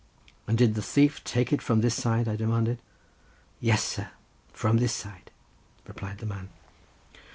"And did the thief take it from this side?" I demanded. "Yes, sir, from this side," replied the man.